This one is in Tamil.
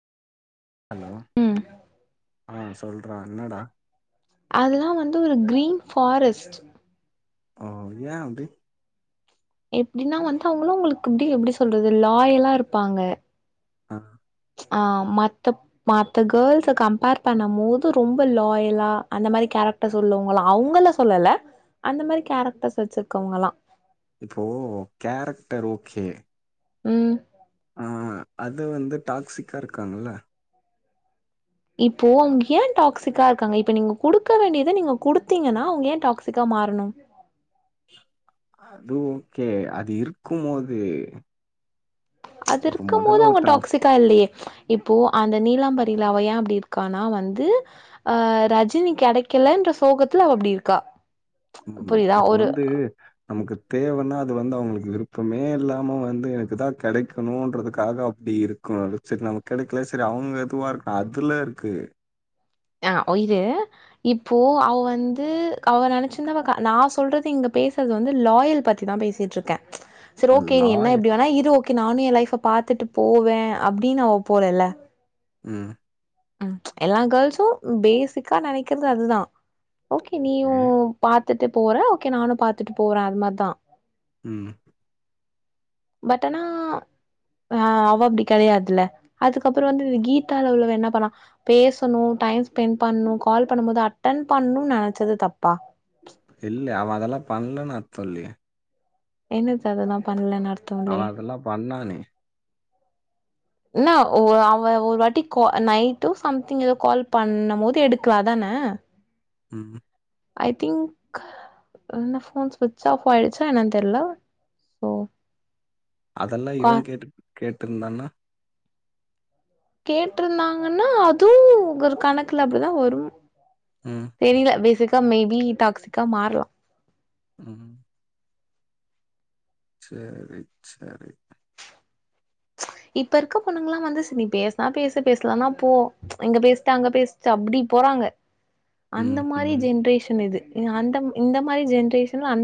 ஹலோ ம் ஆ சொல்ற என்னடா அதெல்லா வந்து ஒரு கிரீன் ஃபாரெஸ்ட் ஓ ஏ அப்டி எப்டின்னா வந்து அவங்களா உங்களுக்கு அப்டீ எப்டி சொல்றது லாயலா இருப்பாங்க அ ஆ மத்தப் மத்த கேர்ள்ஸ கம்பேர் பண்ண மோது ரொம்ப லாயலா அந்த மாரி கே ரெக்டர்ஸ் உள்ளவங்களா அவுங்கள‌ சொல்லல அந்த மாரி கேரெக்டர்ஸ் வெச்சிருக்கவங்களா இப்போ கேரெக்டர் ஓகே ம் ஆ அது வந்து டாக்சிக்கா இருக்காங்கள இப்போ அவங் ஏ டாக்ஸிக்கா இருக்காங்க இப்ப நீங்க குடுக்க வேண்டியத நீங்க குடுத்தீங்கன்னா அவங்க ஏ டாக்சிக்கா மாறணு அது ஓகே அது இருக்குமோது அது இருக்க மோது அவங்க டாக்சிகா இல்லயே இப்போ அந்த நீலாம்பரில அவ ஏ அப்டி இருக்கானா வந்து அ ரஜினி கெடைக் கலன்ற சோகத்துல அவ அப்டி இருக்கா ம் புரியுதா இப்போ ஒரு வந்து நமக்கு தேவன்னா அது வந்து அவங்களுக்கு விருப்பமே இல்லாம வந்து எனக்கு தா கெடக்கணுன்றதுக்காக அப்டி இருக் குடாது செரி நமக் கெடைக்கல செரி அவங்க எதுவா இருக்கா அதுல இருக்கு அ ஒ இது இப்போ அவ வந்து அவ நெனச்சிருந்தா அவ க நா சொல்றது இங்க பேசற்து வந்து லாயல் பத்தி தா பேசிட்ருக்கே சரி ஓகே நீ என்ன லாய எப்டி வேணா இரு ஓகே நானு எ லைஃப பாத்துட்டு போவே அப்டின்னு அவ போலல்ல ம் ம் எல்லா கேர்ள்ஸு பேசிக்கா நெனைக்குறது அதுதா ஓகே நீயு பாத்துட்டு போற ஓகே நானு பாத்துட்டு போறே அது மாரிதா ம் பட் அனா ஆ அவ அப்டி கெயாதுல்ல அதுக்கப்புறோ வந்து கீதால உள்ளவ என்ன பண்ணா பேசணு டைம் ச் ஸ்பெண்ட் பண்ணு கால் பண்ணும் போது அட்டன் பண்ணு நெனச்சது தப்பா இல்ல அவ அதெல்லா பண்லன்னு அர்தோ இல்லயே என்னது அதெல்லா பண்லனா அவ அதெல்லா பண்ணானே என்ன ஒ அவ ஒரு வாட்டி கோ நைட்டு சம்திங் ஏதோ கால் பண்ணம் போது எடுக்குல அதான ஆ ம் ஐ திங்க் என்ன ஃபோன்ஸ் ஸ்விச் ஆஃப் ஆயிடுச்சா என்னன் தெரில்ல அதெல்லா கா இவ கேட்டு கேட்ருந்தானா கேட்டிருந்தாங்கன்னா அதுவு ஒரு கணக்குல அப்டிதா வரு ம் தெரியில பேசிக்கா மேபி டாக்சிக்கா மாற்லா ம் சேரி செரி இப்ப இருக்க பொண்ணுங்கல்லா வந்து சரி பேச்னா பேசு பேச்லனா போ இங்க பேசிட்டு அங்க பேசிட்டு அப்டி இ போறாங்க அந்த ம் மாரி ம் ஜென்ரேஷன் இது இ அந்த இந்த மாரி ஜென்ரேஷன்ல அந்த